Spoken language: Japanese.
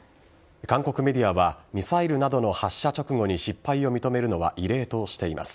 韓国メディアはミサイルなどの発射直後に失敗を認めるのは異例としています。